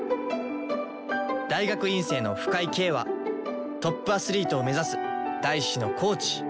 大学院生の深井京はトップアスリートを目指す大志のコーチ。